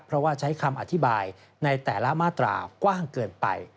เพราะว่าใช้คำอธิบายในแต่ละมาตรากว้างเกินไป